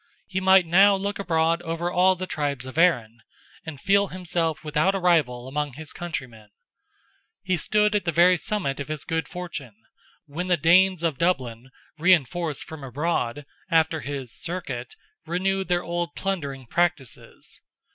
He might now look abroad over all the tribes of Erin, and feel himself without a rival among his countrymen. He stood at the very summit of his good fortune, when the Danes of Dublin, reinforced from abroad, after his "Circuit," renewed their old plundering practices.